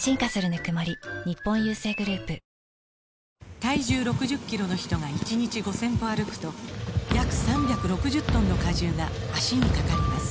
体重６０キロの人が１日５０００歩歩くと約３６０トンの荷重が脚にかかります